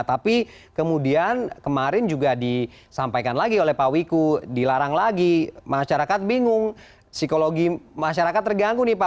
tapi kemudian kemarin juga disampaikan lagi oleh pak wiku dilarang lagi masyarakat bingung psikologi masyarakat terganggu nih pak